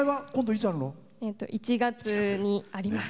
１月にあります。